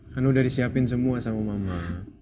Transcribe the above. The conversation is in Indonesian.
karena udah disiapin semua sama mama